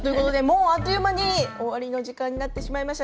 あっという間に終わりの時間になってしまいました。